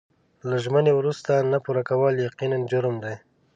له ژمنې وروسته نه پوره کول یقیناً جرم دی.